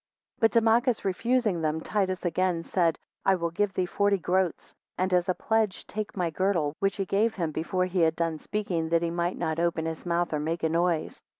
4 But Damachus refusing, Titus again said, I will give thee forty groats, and as a pledge take my girdle, which he gave him before he had done speaking, that he might not open his mouth or make a noise.